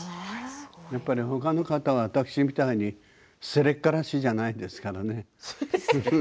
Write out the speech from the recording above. やっぱり、ほかの方は私みたいにすれっからしじゃないですからね。